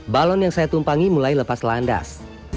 balon yang saya tumpangi mulai lepas landas